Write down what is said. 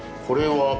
これは？